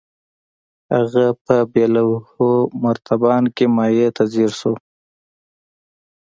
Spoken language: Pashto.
هغه په بې لوحې مرتبان کې مايع ته ځير شو.